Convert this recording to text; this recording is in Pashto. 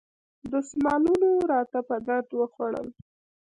دستمالونو راته په درد وخوړل.